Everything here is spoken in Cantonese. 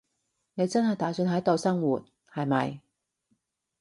你真係打算喺度生活，係咪？